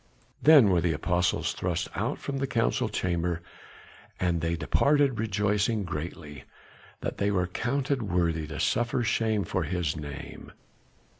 Then were the apostles thrust out from the council chamber; and they departed, rejoicing greatly that they were counted worthy to suffer shame for his name.